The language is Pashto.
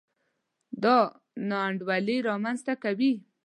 دا نا انډولي رامنځته کوي.